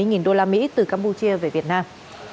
công an huyện u minh thượng tỉnh kiên giang